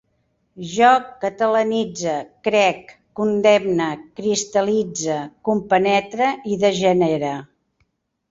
Jo catalanitze, crec, condemne, cristal·litze, compenetre, degenere